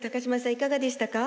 いかがでしたか？